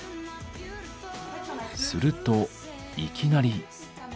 するといきなり。